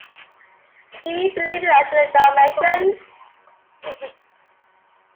Do you believe in alternate dimensions?